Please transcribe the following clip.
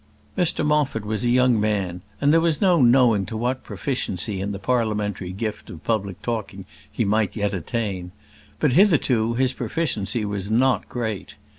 Mr Moffat was a young man, and there was no knowing to what proficiency in the Parliamentary gift of public talking he might yet attain; but hitherto his proficiency was not great.